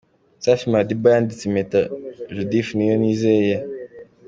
Safi Madiba yambitse impeta Judith Niyonizeye.